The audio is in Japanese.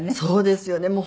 そうですよね。